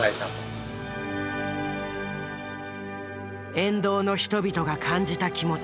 沿道の人々が感じた気持ち。